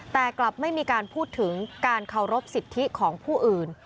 แต่กลับไม่มีการพูดถึงการเคารพสิทธิของผู้อื่น